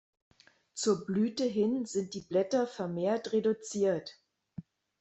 Zur Blüte hin sind die Blätter vermehrt reduziert.